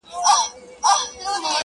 تاسي یې وګوری مېلمه دی که شیطان راغلی٫